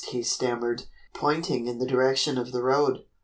he stammered, pointing in the direction of the road.